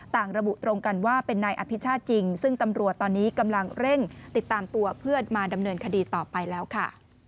ระบุตรงกันว่าเป็นนายอภิชาติจริงซึ่งตำรวจตอนนี้กำลังเร่งติดตามตัวเพื่อนมาดำเนินคดีต่อไปแล้วค่ะ